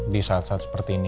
di saat saat seperti ini